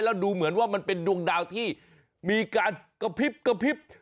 แล้วดูเหมือนว่ามันเป็นดวงดาวที่มีการกระพริบกระพริบ